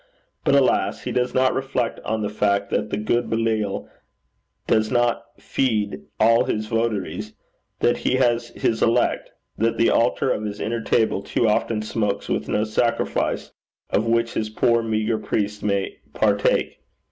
But, alas! he does not reflect on the fact that the god Belial does not feed all his votaries; that he has his elect; that the altar of his inner temple too often smokes with no sacrifice of which his poor meagre priests may partake.